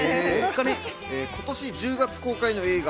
今年１０月公開の映画